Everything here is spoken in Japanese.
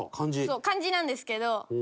そう漢字なんですけど。